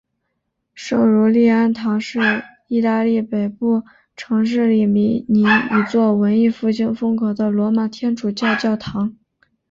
圣儒利安堂是意大利北部城市里米尼一座文艺复兴风格的罗马天主教教堂。